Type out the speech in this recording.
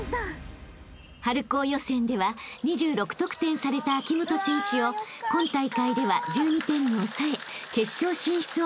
［春高予選では２６得点された秋本選手を今大会では１２点に抑え］